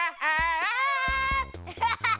ハハハハ！